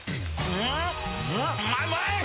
うまい！